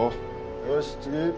よし、次。